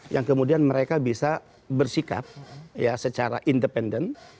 yang kemudian mereka bisa bersikap secara independen